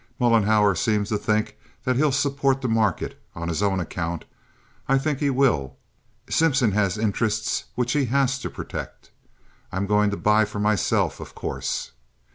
Mollenhauer seems to think that he'll support the market, on his own account. I think he will. Simpson has interests which he has to protect. I'm going to buy for myself, of course."